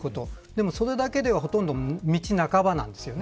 でも、それだけではほとんど道半ばです。